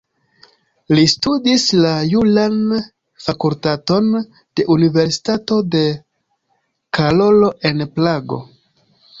Li studis la juran fakultaton de Universitato de Karolo en Prago.